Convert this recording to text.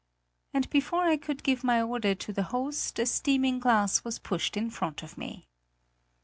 And before I could give my order to the host, a steaming glass was pushed in front of me.